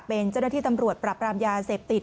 เป็นเจ้าหน้าที่ตำรวจปรับรามยาเสพติด